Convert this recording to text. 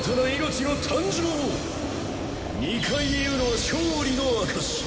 ２回言うのは勝利の証し。